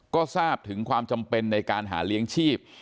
ก็ทราบถึงความจำเป็นในการหาเลี้ยงชีพ